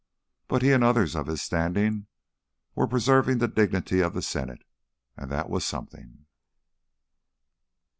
But he and others of his standing were preserving the dignity of the Senate, and that was something.